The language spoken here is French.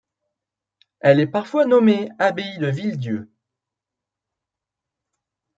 Elle est parfois nommée abbaye de Villedieu.